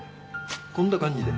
こんな感じで。